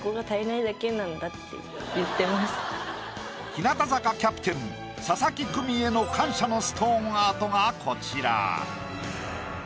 日向坂キャプテン佐々木久美への感謝のストーンアートがこちら。